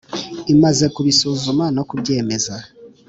imaze kubizuma no kubyemeza